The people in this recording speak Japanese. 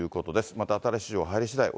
また新しい情報入りしだい